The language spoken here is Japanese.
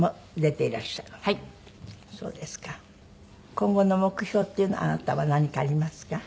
今後の目標っていうのあなたは何かありますか？